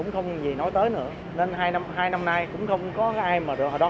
không gì nói tới nữa nên hai năm nay cũng không có ai mà rửa đường